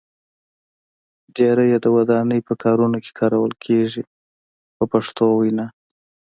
ډیری یې د ودانۍ په کارونو کې کارول کېږي په پښتو وینا.